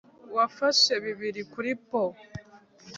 Wafashe bibiri kuri poo